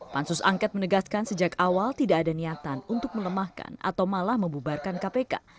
pansus angket menegaskan sejak awal tidak ada niatan untuk melemahkan atau malah membubarkan kpk